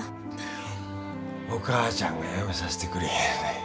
お母ちゃんがやめさせてくれへんねん。